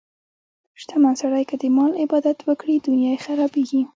شتمن سړی که د مال عبادت وکړي، دنیا یې خرابېږي.